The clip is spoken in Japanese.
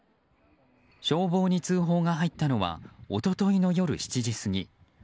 消防に通報が入ったのは一昨日の夜７時過ぎ。